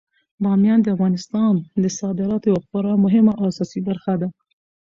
بامیان د افغانستان د صادراتو یوه خورا مهمه او اساسي برخه ده.